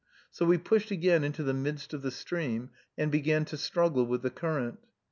So we pushed again into the midst of the stream, and began to struggle with the current.